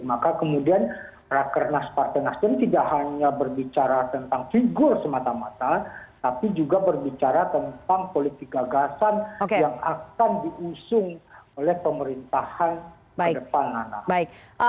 maka kemudian rakernas partai nasdem tidak hanya berbicara tentang figur semata mata tapi juga berbicara tentang politik gagasan yang akan diusung oleh pemerintahan ke depan nana